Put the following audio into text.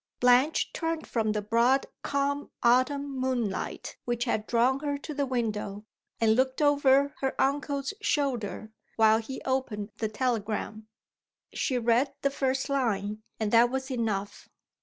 Blanche turned from the broad, calm autumn moonlight which had drawn her to the window, and looked over her uncle's shoulder while he opened the telegram. She read the first line and that was enough.